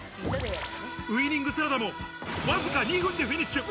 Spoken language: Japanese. ウイニングサラダも、わずか２分でフィニッシュ！